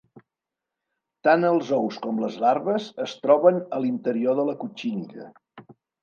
Tant els ous com les larves, es troben a l'interior de la cotxinilla.